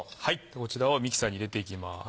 こちらをミキサーに入れていきます。